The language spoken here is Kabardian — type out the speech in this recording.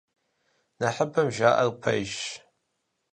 Нэхъыбэм жаӀэр пэжщ.